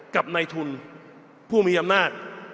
กับในทุนผู้มีอำนาจ